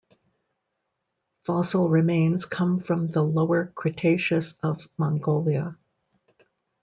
Fossil remains come from the Lower Cretaceous of Mongolia.